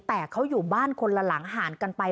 แต่เขาอยู่บ้านคนละหลังห่างกันไป